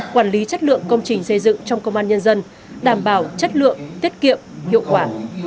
quản lý chất lượng công trình xây dựng trong công an nhân dân đảm bảo chất lượng tiết kiệm hiệu quả